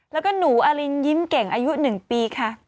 แล้วก็หนูอลินยิ้มเก่งอายุ๑ปีค่ะ